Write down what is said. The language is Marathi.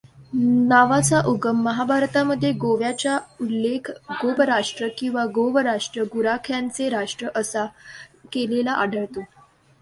नावाचा उगम महाभारतामध्ये गोव्याचा उल्लेख गोपराष्ट्र किंवा गोवराष्ट्र गुराख्यांचे राष्ट्र असा केलेला आढळतो.